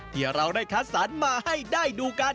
ที่เราได้คัดสรรมาให้ได้ดูกัน